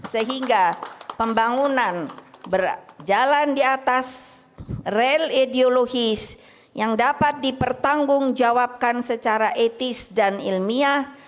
sehingga pembangunan berjalan di atas rel ideologis yang dapat dipertanggungjawabkan secara etis dan ilmiah